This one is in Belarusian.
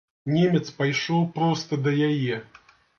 Немец пайшоў проста да яе.